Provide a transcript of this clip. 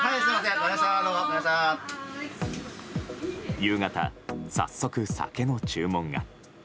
夕方、早速、酒の注文が。